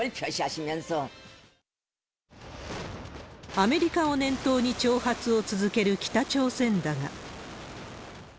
アメリカを念頭に挑発を続ける北朝鮮だが。